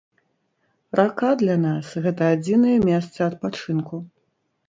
Рака для нас, гэта адзінае месца адпачынку.